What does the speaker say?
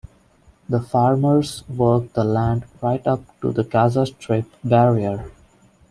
The farmers work the land right up to the Gaza Strip barrier.